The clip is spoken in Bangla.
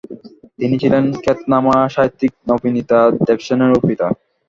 তিনি ছিলেন খ্যাতনামা সাহিত্যিক নবনীতা দেবসেনেরও পিতা।